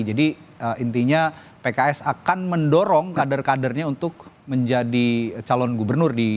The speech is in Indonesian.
jadi intinya pks akan mendorong kader kadernya untuk menjadi calon gubernur di dki